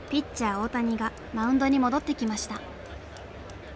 大谷がマウンドに戻ってきました。